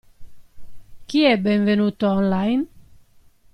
Chi è benvenuto "online"?